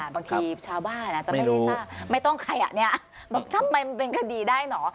บางทีชาวบ้านอาจจะไม่ได้ทราบไม่ต้องใครอ่ะเนี่ยทำไมมันเป็นคดีได้เหรอ